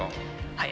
はい。